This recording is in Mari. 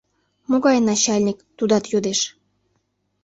— Могай начальник? — тудат йодеш.